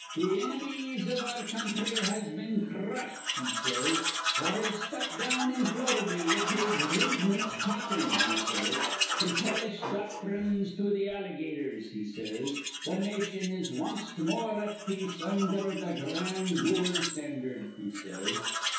'Th' inimies iv our counthry has been cr rushed,' he says, 'or is stuck down in Floridy with his rig'mint talkin',' he says, 'his hellish docthrines to th' allygatars,' he says. 'Th' nation is wanst more at peace undher th' gran' goold standard,' he says.